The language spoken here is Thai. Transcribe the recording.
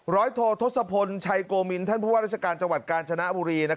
ร้อยโททศพลชัยโกมินท่านผู้ว่าราชการจังหวัดกาญจนบุรี